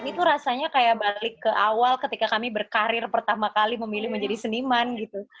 itu rasanya kayak balik ke awal ketika kami berkarir pertama kali memilih menjadi seniman gitu